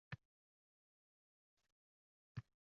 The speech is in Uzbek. Antibiotiklar faqat favqulodda holatlardagina qo‘llanilishi kerak